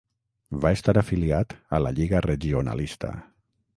Va estar afiliat a la Lliga Regionalista.